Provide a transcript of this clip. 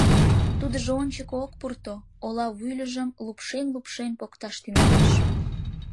Тудыжо ончыко ок пурто, ола вӱльыжым лупшен-лупшен покташ тӱҥалеш.